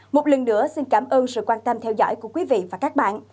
một lần nữa xin cảm ơn sự quan tâm theo dõi của quý vị và các bạn